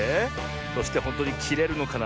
そしてほんとにきれるのかな。